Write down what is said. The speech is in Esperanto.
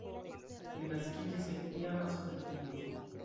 Li naskiĝis en iama Sovetunio.